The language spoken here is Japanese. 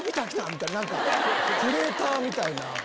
みたいなクレーターみたいな。